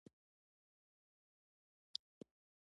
عثمان جان وویل: یار د اوبو د خوټولو خبره خو ځکه مکوه.